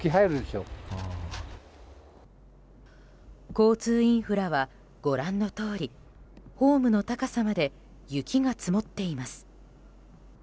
交通インフラはご覧のとおりホームの高さまで雪が積もっています。